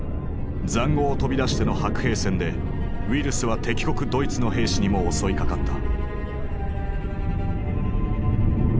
塹壕を飛び出しての白兵戦でウイルスは敵国ドイツの兵士にも襲いかかった。